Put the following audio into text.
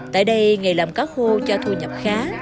tại đây nghề làm cá khô cho thu nhập khá